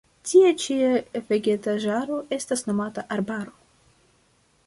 Tia ĉi vegetaĵaro estas nomata arbaro.